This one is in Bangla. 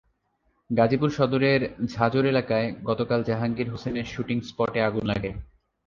গাজীপুর সদরের ঝাজর এলাকায় গতকাল জাহাঙ্গীর হোসেনের শুটিং স্পটে আগুন লাগে।